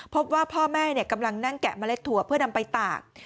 พ่อแม่กำลังนั่งแกะเมล็ดถั่วเพื่อนำไปตาก